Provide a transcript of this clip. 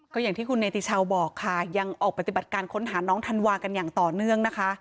ก็อย่างที่คุณเนติชาวบอกค่ะยังออกปฏิบัติการค้นหาน้องธันวากันอย่างต่อเนื่องนะคะ